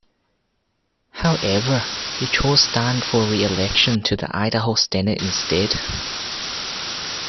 However, he chose stand for reelection to the Idaho Senate instead.